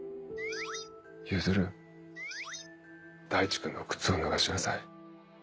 「弓弦大地君の靴を脱がしなさい。